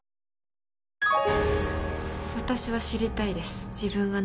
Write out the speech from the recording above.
私は知りたいです。